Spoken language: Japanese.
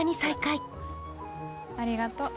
ありがと。